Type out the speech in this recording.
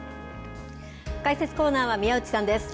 解説コーナーは、宮内さんです。